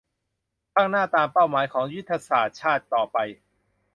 ข้างหน้าตามเป้าหมายของยุทธศาสตร์ชาติต่อไป